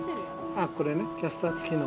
あっこれねキャスター付きの。